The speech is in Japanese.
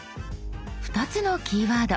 ２つのキーワード。